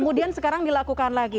kemudian sekarang dilakukan lain